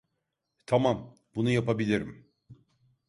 Tamam, bunu yapabilirim.